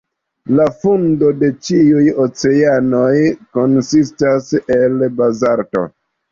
La fundo de ĉiuj oceanoj konsistas el bazalto.